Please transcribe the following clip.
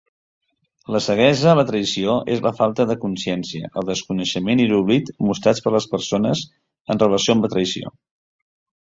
La ceguesa a la traïció es la falta de consciència, el desconeixement i l'oblit mostrats per les persones en relació amb la traïció.